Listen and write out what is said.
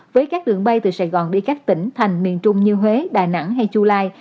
với các đường bay từ sài gòn đi các tỉnh thành miền trung như huế đà nẵng hay chu lai